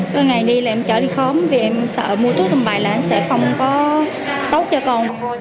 còn ngày này là em chở đi khóm vì em sợ mua thuốc thông bài là sẽ không có tốt cho con